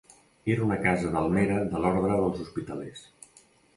Era una casa delmera de l'ordre dels Hospitalers.